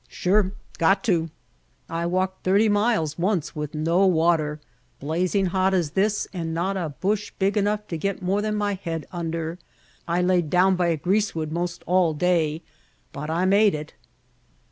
"Sure. Got to. I walked thirty miles once without no water. Blazing hot as this and not a bush big enough to get more than my head under. I laid down by a greasewood most all day. But I made it."